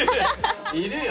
いるよ。